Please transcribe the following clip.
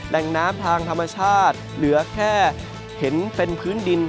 แหล่งน้ำทางธรรมชาติเหลือแค่เห็นเป็นพื้นดิน